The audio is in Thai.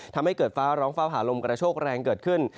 ทำให้เกิดฟ้าร้องฟ้าผ่าลมกระโชคแรงเกิดขึ้น